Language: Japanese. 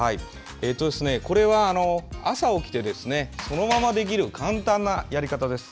これは、朝起きてそのままできる簡単なやり方です。